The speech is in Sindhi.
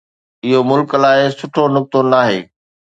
اِهو ملڪ لاءِ سٺو نُڪتو ناهي.